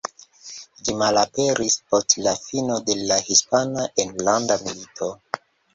Ĝi malaperis post la fino de la Hispana Enlanda Milito.